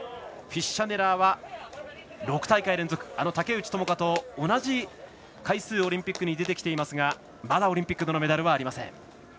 フィッシャネラーは、６大会連続竹内智香と同じ回数オリンピックに出てきていますがまだオリンピックのメダルはありません。